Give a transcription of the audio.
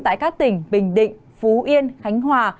tại các tỉnh bình định phú yên khánh hòa